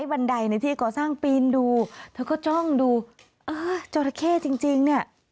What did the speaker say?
บันไดในที่ก่อสร้างปีนดูเธอก็จ้องดูเออจราเข้จริงจริงเนี่ย